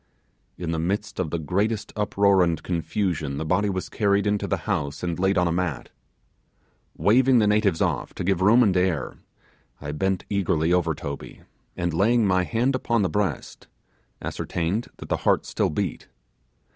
In the midst of the greatest uproar and confusion the body was carried into the house and laid on a mat. Waving the natives off to give room and air, I bent eagerly over Toby, and, laying my hand upon the breast, ascertained that the heart still beat.